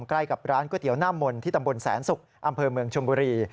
ใกล้กับร้านก๋วยเตี๋ยวหน้ามนต์ที่ตำบลแสนศุกร์อำเภอเมืองชมบุรี